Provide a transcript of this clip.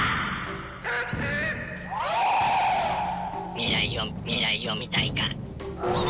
未来を未来を見たいか。